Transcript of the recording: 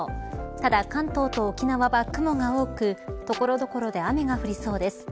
ただ関東と沖縄は雲が多く所々で雨が降りそうです。